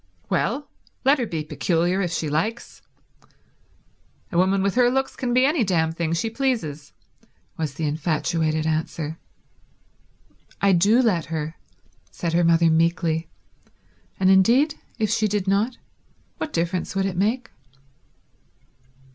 Well, let her be peculiar if she likes. A woman with her looks can be any damned thing she pleases," was the infatuated answer. "I do let her," said her mother meekly; and indeed if she did not, what difference would it make?